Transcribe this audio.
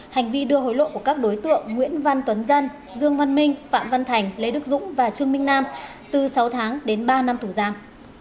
hành vi đưa hối lộ của các đối tượng nguyễn văn tuấn dân dương văn minh phạm văn thành lê đức dũng và trương minh nam từ sáu tháng đến ba năm tù giam